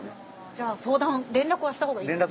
じゃあ相談連絡はしたほうがいいんですね。